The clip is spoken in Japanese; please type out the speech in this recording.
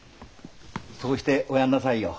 そうしておやんなさいよ。